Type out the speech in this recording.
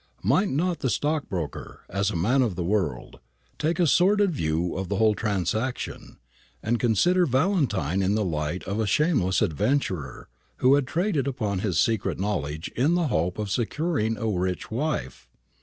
Might not the stockbroker, as a man of the world, take a sordid view of the whole transaction, and consider Valentine in the light of a shameless adventurer, who had traded on his secret knowledge in the hope of securing a rich wife?